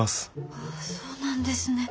ああそうなんですね。